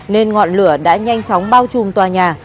nên ngọn lửa đã nhanh chóng bao trùm tòa nhà